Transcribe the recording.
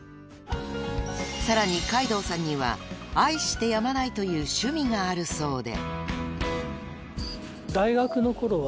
［さらに海堂さんには愛してやまないという趣味があるそうで］